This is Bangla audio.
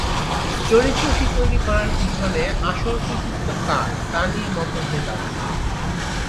চরিত্রটি তৈরী করার পিছনে আসল কৃতিত্ব কার, তা নিয়ে মতভেদ আছে।